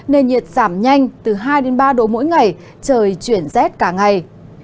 nền nhiệt giảm nhanh từ hai đến ba độ mỗi ngày trời chuyển rét cả ngày